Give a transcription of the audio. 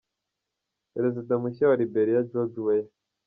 Perezida mushya wa Liberia George Weah.